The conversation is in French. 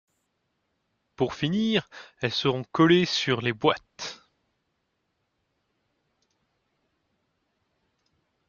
Pour finir, elles seront collées sur les boites.